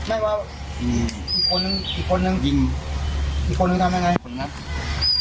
ไม่ว่าอีกคนหนึ่งอีกคนหนึ่งยิงอีกคนหนึ่งทำยังไงคนหนึ่งครับ